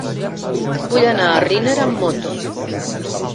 Vull anar a Riner amb moto.